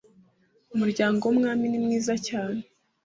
Umuryango wumwami ni mwiza cyane